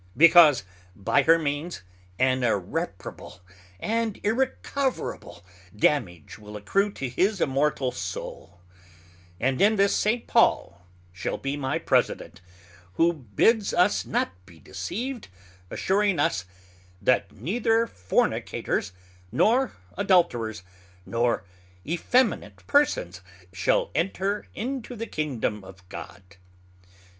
Because by her means an irreparable and irrecoverable damage will accrue to his immortal Soul. And in this St. Paul shall be my President, who bids us not be deceived, assuring us, That neither fornicators, nor adulterers, nor effeminate persons, shall enter into the Kingdome of God.